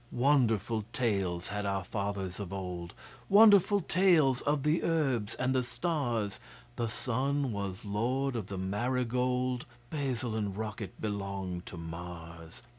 Wonderful tales had our fathers of old Wonderful tales of the herbs and the stars The Sun was Lord of the Marigold, Basil and Rocket belonged to Mars.